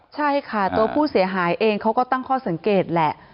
ใช่ค่ะตัวผู้เสียหายเองเขาก็ตั้งข้อสังเกตแหละ